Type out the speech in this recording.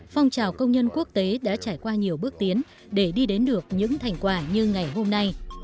phong trào công nhân quốc tế đã trải qua nhiều bước tiến để đi đến được những thành quả như ngày hôm nay